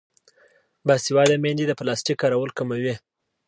باسواده میندې د پلاستیک کارول کموي.